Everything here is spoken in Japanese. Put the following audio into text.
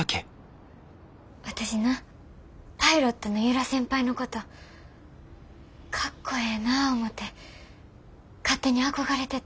私なパイロットの由良先輩のことかっこええな思て勝手に憧れてた。